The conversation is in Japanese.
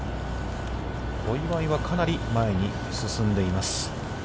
小祝は、かなり前に進んでいます。